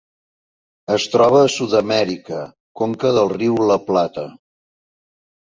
Es troba a Sud-amèrica: conca del riu La Plata.